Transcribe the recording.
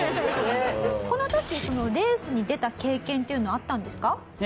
この時レースに出た経験っていうのはあったんですか？